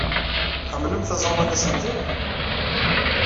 Tḥemmlemt aẓawan aselti?